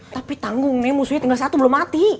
tapi tanggung nek musuhnya tinggal satu belum mati